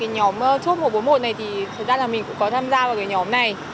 nhóm chốt một trăm bốn mươi một này thực ra là mình cũng có tham gia vào nhóm này